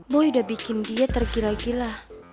mau udah bikin dia tergila gila